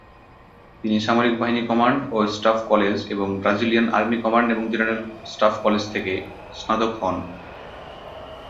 তিনি সামরিক বাহিনী কমান্ড ও স্টাফ কলেজ এবং ব্রাজিলিয়ান আর্মি কমান্ড এবং জেনারেল স্টাফ কলেজ থেকে স্নাতক হন।